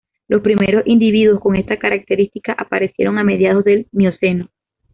Los primeros individuos con esta característica aparecieron a mediados del Mioceno.